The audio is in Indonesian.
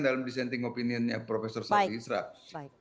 dalam dissenting opinion nya prof saldi isra baik